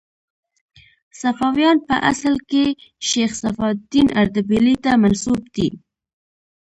صفویان په اصل کې شیخ صفي الدین اردبیلي ته منسوب دي.